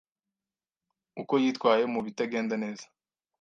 uko yitwaye mu bitagenda neza